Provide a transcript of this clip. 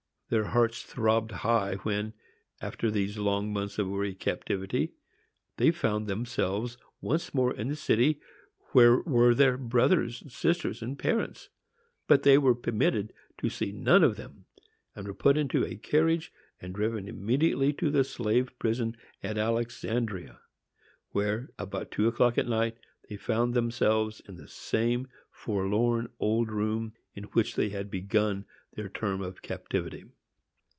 Their hearts throbbed high when, after these long months of weary captivity, they found themselves once more in the city where were their brothers, sisters and parents. But they were permitted to see none of them, and were put into a carriage and driven immediately to the slave prison at Alexandria, where, about two o'clock at night, they found themselves in the same forlorn old room in which they had begun their term of captivity!